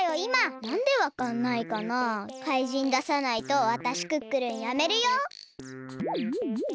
なんでわかんないかな。かいじんださないとわたしクックルンやめるよ？